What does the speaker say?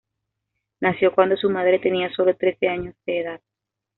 Nació cuando su madre tenía solo trece años de edad.